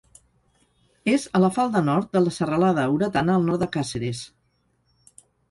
És a la falda nord de la serralada Oretana al nord de Càceres.